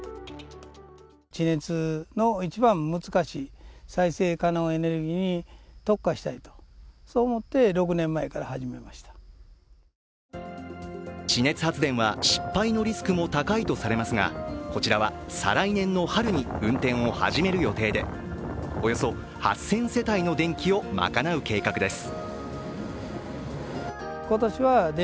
地熱発電は失敗のリスクも高いとされますがこちらは再来年の春に運転を始める予定で、およそ８０００世帯の電気を賄う計画です。